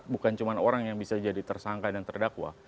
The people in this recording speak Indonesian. bukan cuma orang yang bisa jadi tersangka dan terdakwa